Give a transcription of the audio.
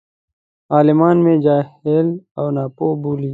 عالمان مې جاهل او ناپوه بولي.